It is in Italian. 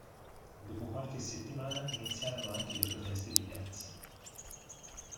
Dopo qualche settimana iniziarono anche le proteste di piazza.